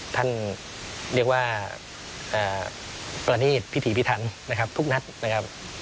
ท่านเรียกว่าปรณีดพิถีพิธรรณทุกนัดนะครับ